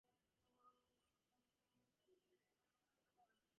His most intimate friends had no fears of his injuring himself.